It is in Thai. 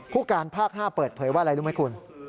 ผู้การภาค๕เปิดเผยว่าอะไรรู้ไหมคุณ